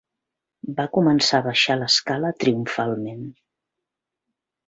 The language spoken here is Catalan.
Va començar a baixar l'escala triomfalment